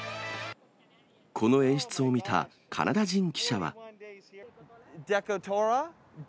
この演出を見たカナダ人記者は。